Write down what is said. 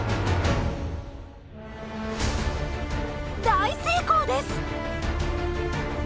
大成功です！